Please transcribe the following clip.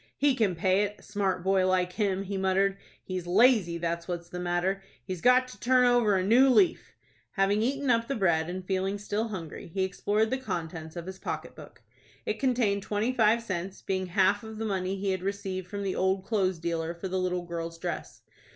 "He can pay it,—a smart boy like him," he muttered. "He's lazy, that's what's the matter. He's got to turn over a new leaf." Having eaten up the bread, and feeling still hungry, he explored the contents of his pocket book. It contained twenty five cents, being half of the money he had received from the old clothes dealer for the little girl's dress.